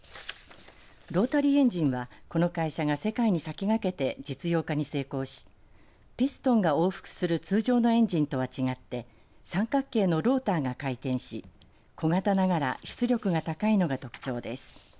ロータリーエンジンはこの会社が世界に先駆けて実用化に成功しピストンが往復する通常のエンジンとは違って三角形のローターが回転し小型ながら出力が高いのが特徴です。